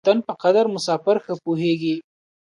د وطن په قدر مساپر ښه پوهېږي.